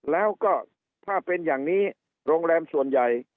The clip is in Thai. แล้วก็ถ้าเป็นอย่างนี้โรงแรมส่วนใหญ่